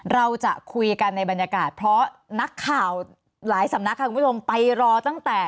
เราจะคุยกันในบรรยากาศเพราะนักข่าวหลายสำนักค่ะคุณผู้ชมไปรอตั้งแต่